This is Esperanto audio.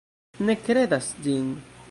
Ne kredas ĝin.